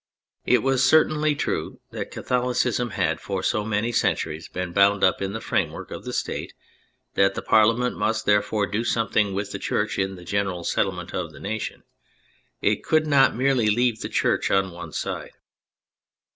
It was certainly true that Catholicism had for so many centuries been bound up in the framework of the State that the Parliament must therefore do something with the Church in the general settlement of the nation : it could not merely leave the Church on one side.